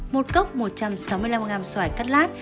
một cốc một trăm sáu mươi năm gram xoài cắt lát